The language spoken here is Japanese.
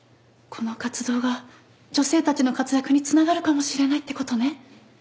この活動が女性たちの活躍に繋がるかもしれないって事ね？